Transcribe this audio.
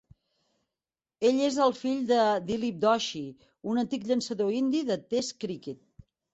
Ell és el fill de Dilip Doshi, un antic llançador indi de test criquet.